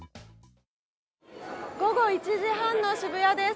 午後１時半の渋谷です。